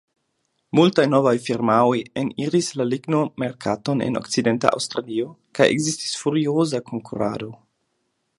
Multaj novaj firmaoj eniris la ligno-merkaton en Okcidenta Aŭstralio, kaj ekzistis furioza konkurado.